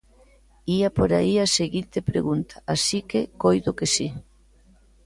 Ía por aí a seguinte pregunta, así que coido que si.